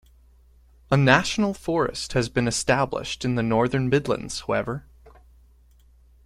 A national forest has been established in the northern midlands however.